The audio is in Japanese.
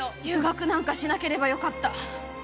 留学なんかしなければよかった！